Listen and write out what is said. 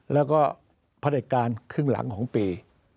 แล้วก็พระเด็จการครึ่งหลังของปี